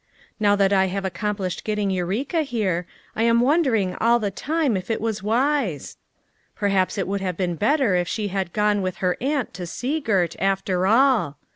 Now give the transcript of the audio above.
Now that I have accomplished getting Eureka here, I am wondering all the time if it was wise. Perhaps it would have been better if she had gone with 6S FOUR MOTHERS AT CHAUTAUQUA 69 her aunt to Sea Girt, after all.